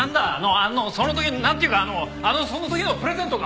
あのその時のなんていうかあのその時のプレゼントか？